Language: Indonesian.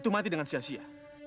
mati dengan sia sia